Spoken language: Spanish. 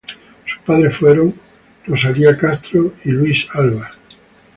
Sus padres fueron Luis Alva y Rosalía Castro.